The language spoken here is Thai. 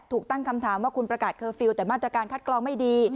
ถูกตั้งคำถามว่าคุณประกาศเคอร์ฟิลล์แต่มาตรการคัดกรองไม่ดี